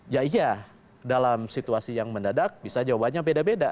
ya iya dalam situasi yang mendadak bisa jawabannya beda beda